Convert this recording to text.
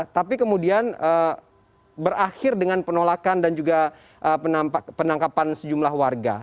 tapi kemudian berakhir dengan penolakan dan juga penangkapan sejumlah warga